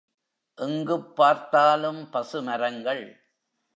எங்குப் பார்த்தாலும் பசுமரங்கள்!